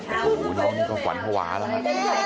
โอ้โฮน้องนี้ก็หวั่นฮวาแล้วค่ะ